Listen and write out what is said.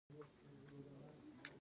د بامیان زردالو څنګه وچول کیږي؟